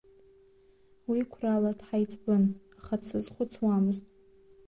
Уи қәрала дҳаиҵбын, аха дсызхәыцуамызт.